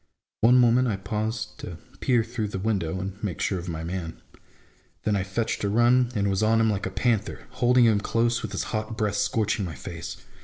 One moment I paused to peer through the window, and make sure of my man. Then I fetched a run, and was on him like a panther, holding him close, with his hot breath scorching my face.